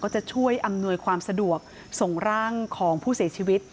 จะช่วยอำนวยความสะดวกส่งร่างของผู้เสียชีวิต